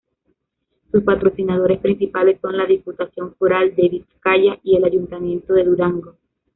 Sus patrocinadores principales son la Diputación Foral de Vizcaya y el Ayuntamiento de Durango.